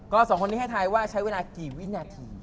ก็สองคนนี้ให้ทายว่าใช้เวลากี่วินาที